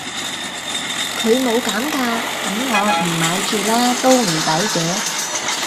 佢冇減價咁我唔買住啦都唔抵嘅